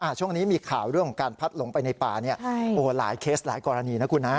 ช่วงนี้มีข่าวเรื่องของการพัดลงไปในป่าหลายเคสหลายกรณีนะคุณนะ